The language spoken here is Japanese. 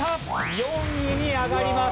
４位に上がります。